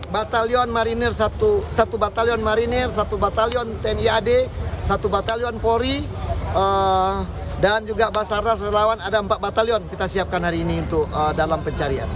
batalion mariner satu batalion tni ad satu batalion polri dan juga basar rasul lawan ada empat batalion kita siapkan hari ini untuk dalam pencarian